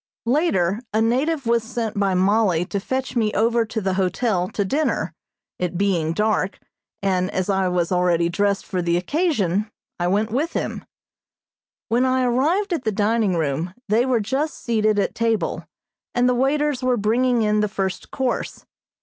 Later a native was sent by Mollie to fetch me over to the hotel to dinner, it being dark, and as I was already dressed for the occasion, I went with him. When I arrived at the dining room they were just seated at table, and the waiters were bringing in the first course.